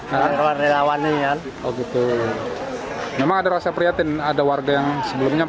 warga lawan ini yang begitu memang ada rasa prihatin ada warga yang sebelumnya